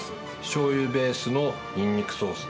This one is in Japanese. しょうゆベースのニンニクソース。